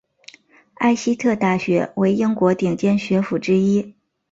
艾希特大学为英国顶尖学府之一。